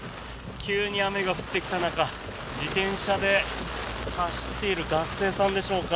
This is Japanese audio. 急に雨が降ってきた中自転車で走っている学生さんでしょうか。